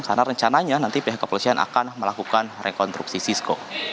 karena rencananya nanti pihak kepolisian akan melakukan rekonstruksi sisco